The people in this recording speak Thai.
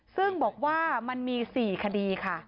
ซึ่งบอกว่ามันมี๔คดีค่ะ